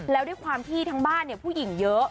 แล้วด้วยความที่ทั้งบ้านผู้หญิงเยอะ